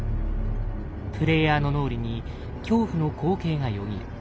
プレイヤーの脳裏に恐怖の光景がよぎる。